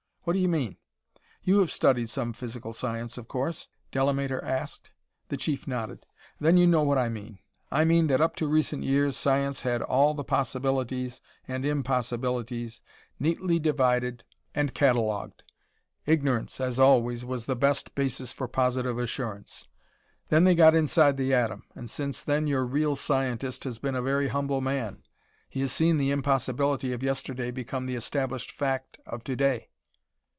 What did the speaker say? "What do you mean?" "You have studied some physical science, of course?" Delamater asked. The Chief nodded. "Then you know what I mean. I mean that up to recent years science had all the possibilities and impossibilities neatly divided and catalogued. Ignorance, as always, was the best basis for positive assurance. Then they got inside the atom. And since then your real scientist has been a very humble man. He has seen the impossibility of yesterday become the established fact of to day."